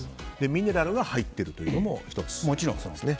ミネラルが入ってるというのも１つと。